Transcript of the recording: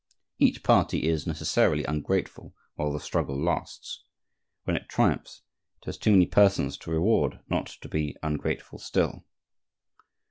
Each party is, necessarily, ungrateful while the struggle lasts; when it triumphs it has too many persons to reward not to be ungrateful still.